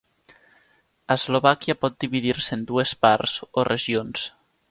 Eslovàquia pot dividir-se en dues parts o regions.